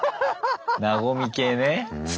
和み系ね。